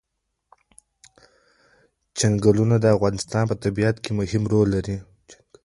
چنګلونه د افغانستان په طبیعت کې مهم رول لري.